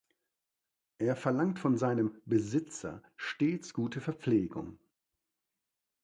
Er verlangt von seinem "Besitzer" stets gute Verpflegung.